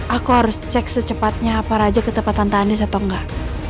aku harus cek secepatnya pak raja ke tempat tante andis atau enggak